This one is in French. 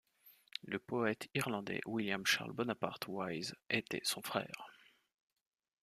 Le poète irlandais William Charles Bonaparte-Wyse était son frère.